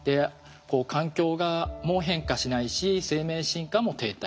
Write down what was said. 環境も変化しないし生命進化も停滞している。